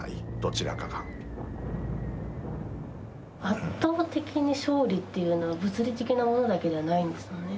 圧倒的に勝利というのは物理的なものだけではないんですもんね。